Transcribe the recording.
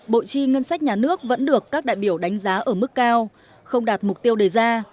bộ chi ngân sách nhà nước vẫn được các đại biểu đánh giá ở mức cao không đạt mục tiêu đề ra